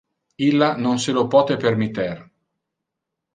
Illa non se lo pote permitter.